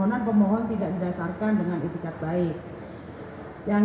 pada transpon penyelenggara saat pengawasan increasing